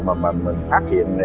mà mình phát hiện